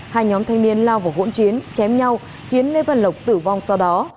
hai nhóm thanh niên lao vào hỗn chiến chém nhau khiến lê văn lộc tử vong sau đó